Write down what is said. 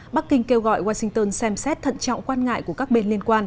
bắc kinh kêu gọi washington xem xét thận trọng quan ngại của các bên liên quan